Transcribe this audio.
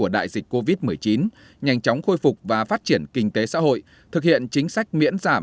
đại dịch covid một mươi chín nhanh chóng khôi phục và phát triển kinh tế xã hội thực hiện chính sách miễn giảm